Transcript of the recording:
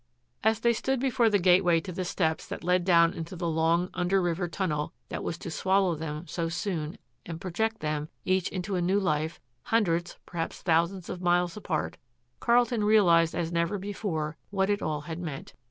As they stood before the gateway to the steps that led down into the long under river tunnel which was to swallow them so soon and project them, each into a new life, hundreds, perhaps thousands of miles apart, Carlton realized as never before what it all had meant.